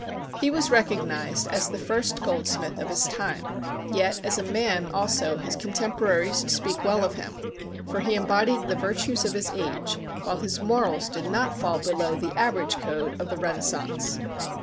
He was recognized as the first goldsmith of his time; yet as a man also his contemporaries speak well of him, for he embodied the virtues of his age, while his morals did not fall below the average code of the Renaissance.